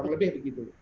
kurang lebih begitu